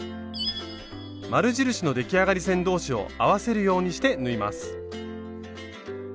丸印の出来上がり線同士を合わせるようにして縫います。